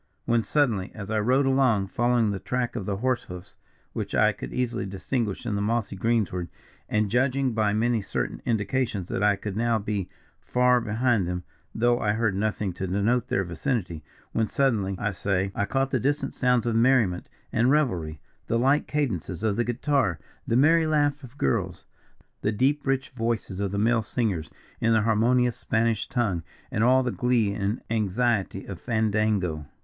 When suddenly, as I rode along, following the track of the horse hoofs, which I could easily distinguish in the mossy greensward, and judging by many certain indications that I could not now be far behind them, though I heard nothing to denote their vicinity; when suddenly I say, I caught the distant sounds of merriment, and revelry; the light cadences of the guitar, the merry laugh of girls, the deep rich voices of the male singers, in the harmonious Spanish tongue, and all the glee and anxiety of fandango.